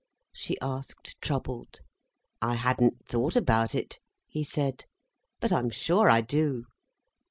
_" she asked troubled. "I hadn't thought about it," he said. "But I'm sure I do."